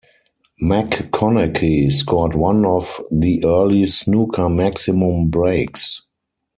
McConachy scored one of the early snooker maximum breaks.